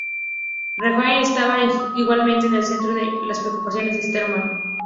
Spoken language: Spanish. Renania estaba igualmente en el centro de las preocupaciones de Stresemann.